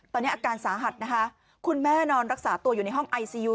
ตอนนี้อาการสาหัสนะคะคุณแม่นอนรักษาตัวอยู่ในห้องไอซียู